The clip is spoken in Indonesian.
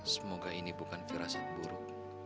semoga ini bukan firasit buruk